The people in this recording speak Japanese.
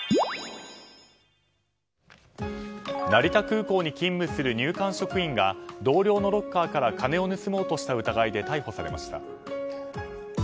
成田空港に勤務する入管職員が同僚のロッカーから金を盗もうとした疑いで逮捕されました。